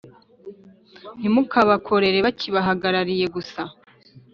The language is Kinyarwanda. Ntimukabakorere bakibahagarikiye gusa